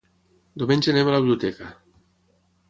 Diumenge anam a la biblioteca.